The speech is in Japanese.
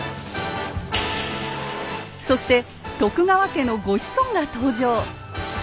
そして徳川家のご子孫が登場。